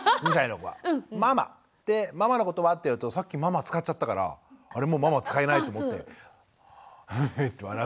でママのことはってやるとさっきママ使っちゃったから「あれ？もうママ使えない」と思ってフフフッて笑う。